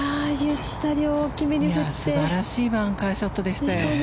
素晴らしいバンカーショットでしたね。